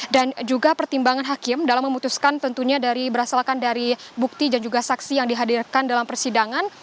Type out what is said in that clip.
dan juga pertimbangan hakim dalam memutuskan tentunya berasal dari bukti dan juga saksi yang dihadirkan dalam persidangan